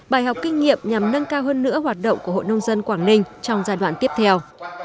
bài học kinh nghiệm nhằm nâng cao hơn nữa hoạt động của hội nông dân quảng ninh trong giai đoạn tiếp theo